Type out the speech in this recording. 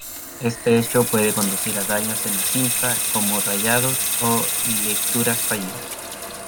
Este hecho puede conducir a daños en la cinta, como rayados o lecturas fallidas.